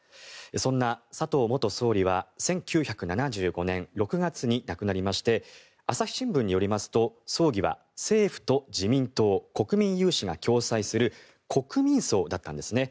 そんな佐藤元総理は１９７５年６月に亡くなりまして朝日新聞によりますと葬儀は政府と自民党、国民有志が共催する国民葬だったんですね。